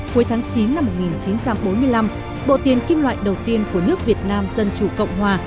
cuối tháng chín năm một nghìn chín trăm bốn mươi năm bộ tiền kim loại đầu tiên của nước việt nam dân chủ cộng hòa